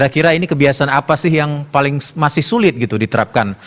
kebiasaan apa sih yang paling masih sulit diterapkan